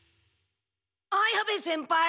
綾部先輩！